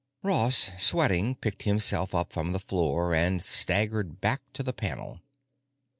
Ross, sweating, picked himself up from the floor and staggered back to the panel.